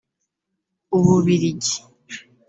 Ububiligi